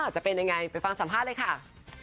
จะเป็นยังไงไปฟังสัมภาษณ์เลยค่ะ